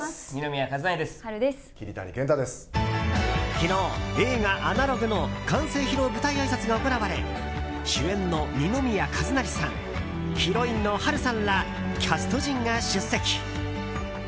昨日、映画「アナログ」の完成披露舞台あいさつが行われ主演の二宮和也さんヒロインの波瑠さんらキャスト陣が出席。